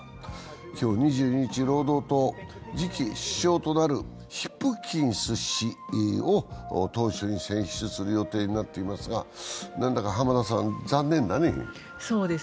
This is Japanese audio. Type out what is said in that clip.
今日２２日、労働党、次期首相となるヒプキンス氏を党首に選出する予定になっていますが、なんだか残念だね。